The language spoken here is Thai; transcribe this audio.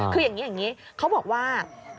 คืออย่างนี้เขาบอกว่า